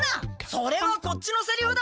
それはこっちのセリフだ！